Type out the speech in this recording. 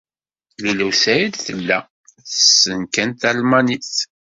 Lila u Saɛid tella tessen kan talmanit.